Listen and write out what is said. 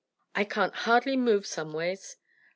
"I can't hardly move some ways."